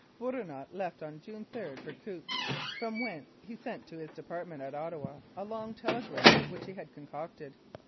Bourinot left on June 3 for Coutts, from whence he sent to his Department at Ottawa a long telegram which we had concocted.